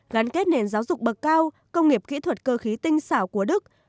gắn kết nền giáo dục bậc cao công nghiệp kỹ thuật cơ khí tinh xảo của đức